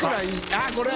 あっこれ！